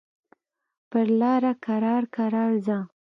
پر لاره کرار کرار ځه.